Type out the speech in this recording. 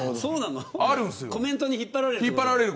コメントに引っ張られる。